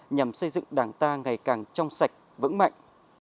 nhằm xây dựng đảng ta ngày càng trong sạch vững mạnh